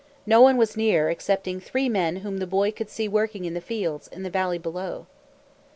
No one was near, excepting three men whom the boy could see working in the fields, in the valley below.